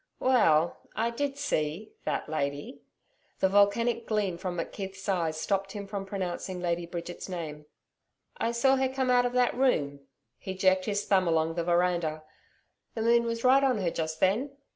'Well I did see that lady,' the volcanic gleam from McKeith's eyes stopped him from pronouncing Lady Bridget's name. 'I saw her come out of that room,' he jerked his thumb along the veranda. 'The moon was right on her just then.